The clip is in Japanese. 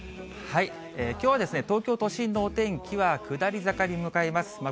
きょうは東京都心のお天気は下り坂に向かいます。